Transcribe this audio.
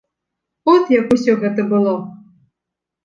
От як усё гэта было.